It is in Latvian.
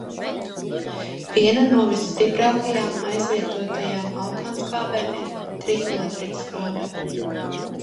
Viena no visstiprākajām aizvietotajām alkānskābēm ir trihloretiķskābe.